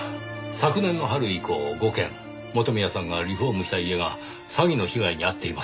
昨年の春以降５件元宮さんがリフォームした家が詐欺の被害に遭っていますね。